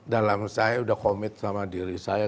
dalam saya udah komit sama diri saya